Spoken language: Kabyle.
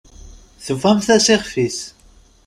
Tufamt-as ixf-is.